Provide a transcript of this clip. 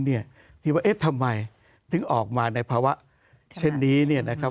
ที่ว่าเอ๊ะทำไมถึงออกมาในภาวะเช่นนี้เนี่ยนะครับ